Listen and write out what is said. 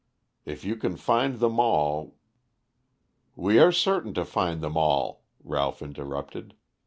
If you can find them all " "We are certain to find them all," Ralph interrupted.